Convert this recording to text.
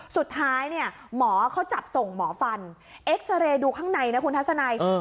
สุดท้ายเนี่ยหมอเขาจับส่งหมอฟันเอ็กซาเรย์ดูข้างในนะคุณทัศนัย